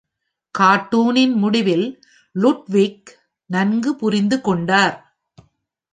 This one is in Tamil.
கார்ட்டூனின் முடிவில் லுட்விக் நன்கு புரிந்து கொண்டார்.